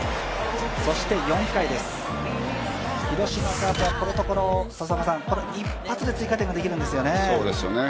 ４回です、広島カープはこのところ佐々岡さん、一発で追加点ができるんですよね。